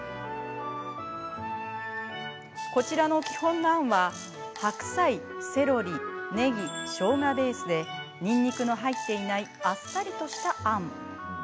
こちらの基本のあんは白菜、セロリ、ねぎしょうがベースでにんにくの入っていないあっさりとしたあん。